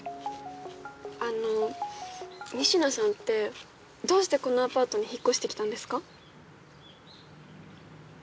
あの仁科さんってどうしてこのアパートに引っ越してきたんですか？